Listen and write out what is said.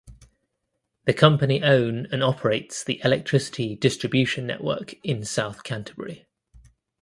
The company own and operates the electricity distribution network in South Canterbury.